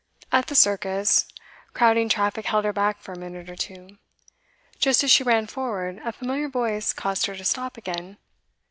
At the circus, crowding traffic held her back for a minute or two; just as she ran forward, a familiar voice caused her to stop again.